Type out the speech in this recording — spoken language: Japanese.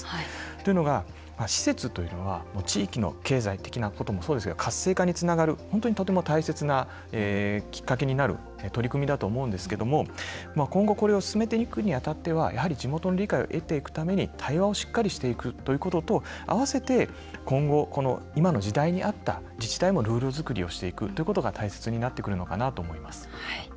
というのが、施設というのは地域の経済的なこともそうですけど、活性化につながる本当にとても大切なきっかけになる取り組みだと思うんですけども、今後これを進めていくにあたっては、やはり地元の理解を得ていくために対話をしっかりしていくことと合わせて今後、今の時代に合った自治体もルール作りをしていくということが大切になってくるのかなと。